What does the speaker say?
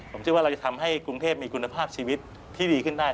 ผมเชื่อว่าเราจะทำให้กรุงเทพมีคุณภาพชีวิตที่ดีขึ้นได้